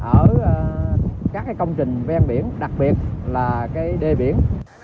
ở các công trình ven biển đặc biệt là đê biển